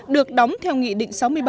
được đóng theo nghị định sáu mươi bảy